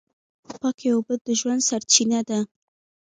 پاکې اوبه د ژوند سرچینه ده.